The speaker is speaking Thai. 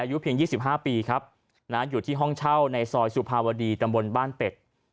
อายุเพียง๒๕ปีครับนะอยู่ที่ห้องเช่าในซอยสุภาวดีตำบลบ้านเป็ด